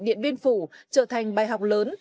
điện biên phủ trở thành bài học lớn